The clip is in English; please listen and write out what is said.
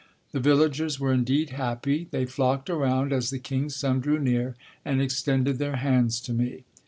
The villagers were indeed happy. They flocked around as the king's son drew near and extended their hands to me.